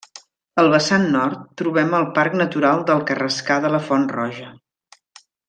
Al vessant nord trobem el Parc Natural del Carrascar de la Font Roja.